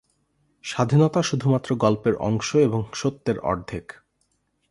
স্বাধীনতা শুধুমাত্র গল্পের অংশ এবং সত্যের অর্ধেক।